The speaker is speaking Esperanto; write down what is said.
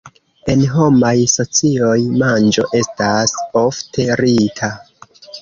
En homaj socioj, manĝo estas ofte rita.